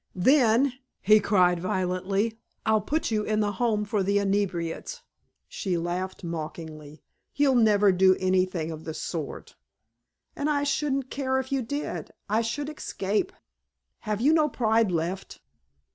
"Then," he cried violently, "I'll put you in the Home for Inebriates!" She laughed mockingly. "You'll never do anything of the sort. And I shouldn't care if you did. I should escape." "Have you no pride left?"